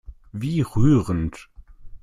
Wie rührend!